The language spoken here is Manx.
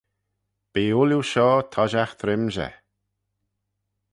Bee ooilley shoh toshiaght trimshey.